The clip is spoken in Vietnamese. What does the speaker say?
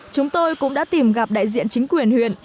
chúng tôi cũng đã tìm gặp đại diện chính quyền huyện